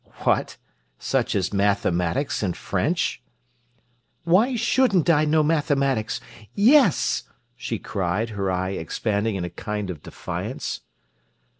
"What! such as mathematics and French?" "Why shouldn't I know mathematics? Yes!" she cried, her eye expanding in a kind of defiance.